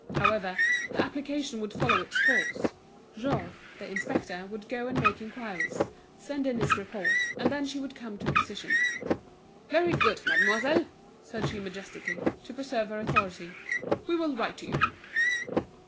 However, the application would follow its course, Jouve, the inspector, would go and make enquiries, send in his report, and then she would come to a decision. "Very good, mademoiselle," said she majestically, to preserve her authority; "we will write to you."